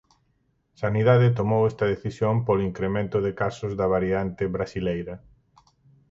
Sanidade tomou esta decisión polo incremento de casos da variante brasileira.